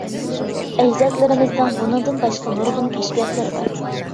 ئەجدادلىرىمىزنىڭ بۇنىڭدىن باشقا نۇرغۇن كەشپىياتلىرى بار.